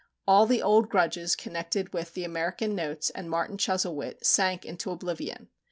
All the old grudges connected with "The American Notes," and "Martin Chuzzlewit," sank into oblivion.